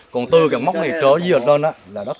còn từ cái móc này trở xuống là đất bán ngập của lâm hồ này